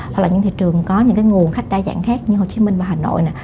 hoặc là những thị trường có những cái nguồn khách đa dạng khác như hồ chí minh và hà nội